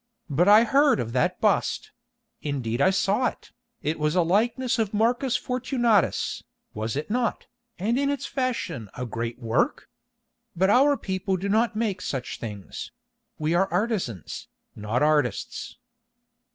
But I heard of that bust; indeed I saw it; it was a likeness of Marcus Fortunatus, was it not, and in its fashion a great work? But our people do not make such things; we are artisans, not artists."